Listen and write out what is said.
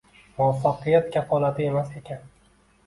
muvaffaqiyat kafolati emas ekan.